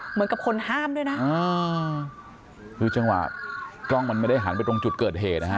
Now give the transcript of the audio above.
เหมือนกับคนห้ามด้วยนะอ่าคือจังหวะกล้องมันไม่ได้หันไปตรงจุดเกิดเหตุนะฮะ